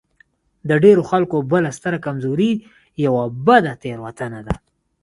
د ډېرو خلکو بله ستره کمزوري يوه بده تېروتنه ده.